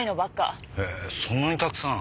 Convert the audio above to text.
へえそんなにたくさん。